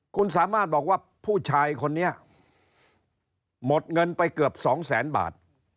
คุณสามารถบอกว่าผู้ชายคนนี้หมดเงินไปเกือบสองแสนบาท